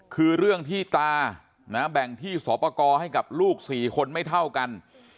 คือเรื่องที่ตาแบ่งที่สอบประกอบให้กับลูก๔คนไม่เท่ากัน